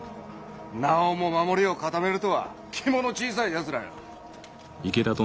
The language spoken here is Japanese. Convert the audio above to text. なおも守りを固めるとは肝の小さいやつらよ。